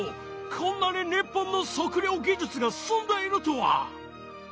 こんなに日本の測量技術が進んでいるとは！